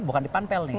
bukan di panpel nih